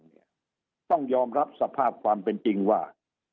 เนี่ยต้องยอมรับสภาพความเป็นจริงว่า